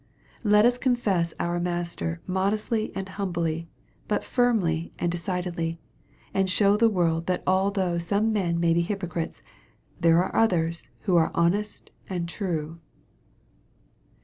Let us con fess our Master modestly and humbly, but firmly and de cidedly, and show the world that although some men may be hypocrites, there are others who are honest and true.